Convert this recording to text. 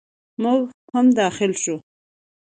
موږ هم داخل شوو.